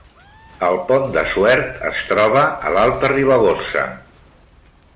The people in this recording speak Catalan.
El Pont de Suert es troba a l’Alta Ribagorça